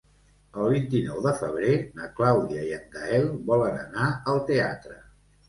El vint-i-nou de febrer na Clàudia i en Gaël volen anar al teatre.